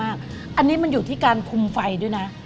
อันนี้มันอยู่ที่การคุมไฟด้วยนะ